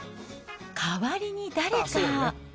代わりに誰か。